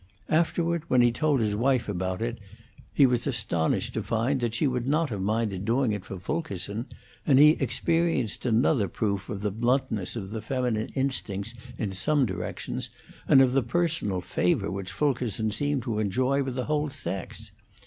Afterward, when he told his wife about it, he was astonished to find that she would not have minded doing it for Fulkerson, and he experienced another proof of the bluntness of the feminine instincts in some directions, and of the personal favor which Fulkerson seemed to enjoy with the whole sex.